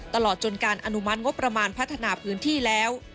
ตลอดจนการอนุมัติงบประมาณพัฒนาพื้นที่แล้ว